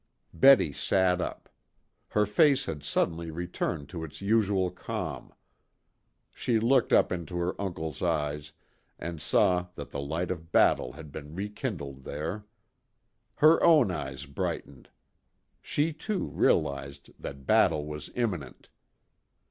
Betty sat up. Her face had suddenly returned to its usual calm. She looked up into her uncle's eyes, and saw that the light of battle had been rekindled there. Her own eyes brightened. She, too, realized that battle was imminent.